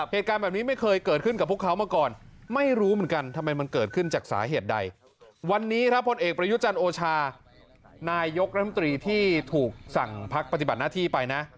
เหตุการณ์แบบนี้ไม่เคยเกิดขึ้นกับพวกเขามาก่อน